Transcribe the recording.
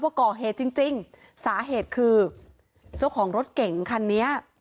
ก่อเหตุจริงจริงสาเหตุคือเจ้าของรถเก่งคันนี้